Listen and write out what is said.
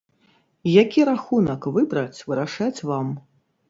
Які рахунак выбраць, вырашаць вам.